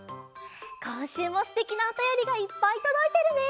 こんしゅうもすてきなおたよりがいっぱいとどいてるね！